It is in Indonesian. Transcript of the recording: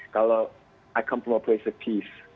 kalau saya datang dari tempat keamanan